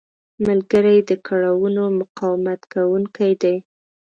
ملګری د کړاوونو مقاومت کوونکی دی